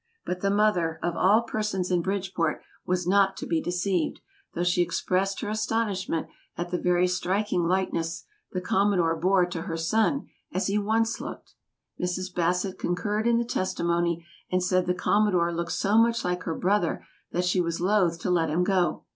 But the mother, of all persons in Bridgeport, was not to be deceived, though she expressed her astonishment at the very striking likeness the Commodore bore to her son as he once looked. Mrs. Bassett concurred in the testimony and said the Commodore looked so much like her brother that she was loth to let him go.